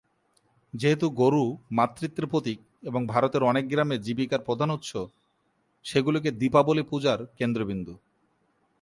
যেহেতু গরু মাতৃত্বের প্রতীক এবং ভারতের অনেক গ্রামে জীবিকার প্রধান উৎস, সেগুলি দীপাবলি পূজার কেন্দ্রবিন্দু।